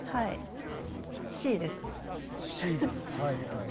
Ｃです。